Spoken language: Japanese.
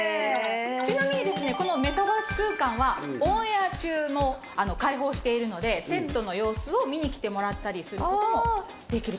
ちなみにこのメタバース空間はオンエア中も開放しているのでセットの様子を見に来てもらったりする事もできると。